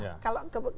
ya kalau ke diri mereka